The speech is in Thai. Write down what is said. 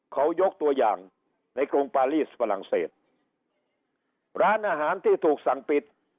เขายกตัวอย่างในกรุงปารีสฝรั่งเศสร้านอาหารที่ถูกสั่งปิด